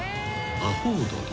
アホウドリ］